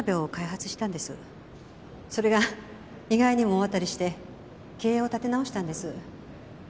それが意外にも大当たりして経営を立て直したんです。